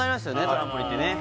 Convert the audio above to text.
トランポリンってね